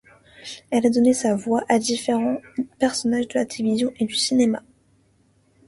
Elle a donné sa voix à différents personnages de la télévision et du cinéma.